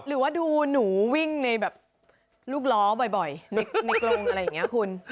หรือว่าดูหนูวิ่งในแบบลูกล้อบ่อยในกรงอะไรอย่างนี้คุณ